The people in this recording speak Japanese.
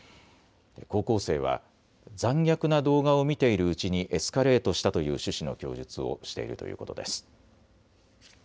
高校生は残虐な動画を見ているうちにエスカレートしたという趣旨の供述をしているということです。